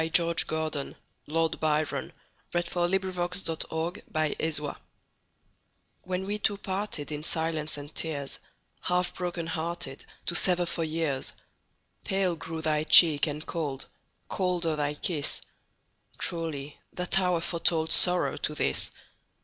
George Gordon, Lord Byron 468. When We Two Parted WHEN we two partedIn silence and tears, Half broken hearted, To sever for years, Pale grew thy cheek and cold, Colder thy kiss; Truly that hour foretoldSorrow to this!